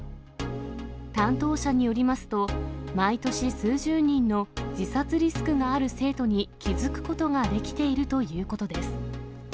担当者によりますと、毎年数十人の自殺リスクがある生徒に気付くことができているということです。